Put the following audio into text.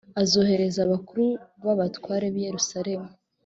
Azoherereza abakuru b abatware b i yezeruzaremu